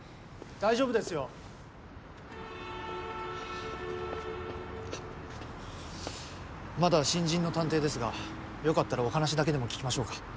・大丈夫ですよ。まだ新人の探偵ですがよかったらお話だけでも聞きましょうか。